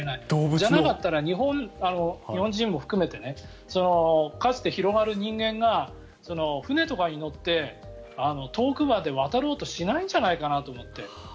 じゃなかったら、日本人も含めてかつて、広がる人間が船とかに乗って遠くまで渡ろうとしないんじゃないかと思って。